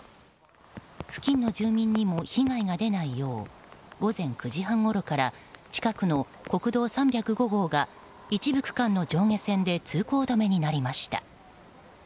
付近の住民にも被害が出ないよう午前９時半ごろから近くの国道３０５号が一部区間の上下線で通行止めになりました。